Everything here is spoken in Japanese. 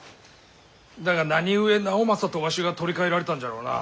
だが何故直政とわしが取り替えられたんじゃろうな。